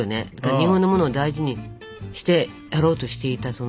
日本のものを大事にしてやろうとしていたその。